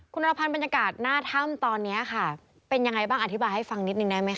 คุณอรพันธ์บรรยากาศหน้าถ้ำตอนนี้ค่ะเป็นยังไงบ้างอธิบายให้ฟังนิดนึงได้ไหมค